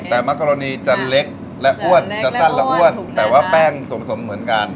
แต่มะกรณีจะเล็กและอ้วนจะสั้นและอ้วนแต่ว่าแป้งส่วนผสมเหมือนกัน